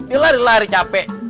dia lari lari capek